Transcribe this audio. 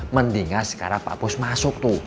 mendingan sekarang pak pus masuk tuh